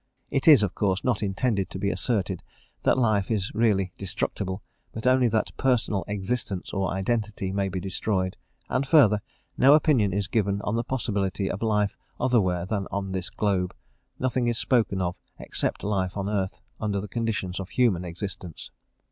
It is, of course, not intended to be asserted that life is really destructible, but only that personal existence, or identity, may be destroyed. And further, no opinion is given on the possibility of life otherwhere than on this globe; nothing is spoken of except life on earth, under the conditions of human existence.